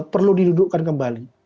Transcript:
perlu didudukkan kembali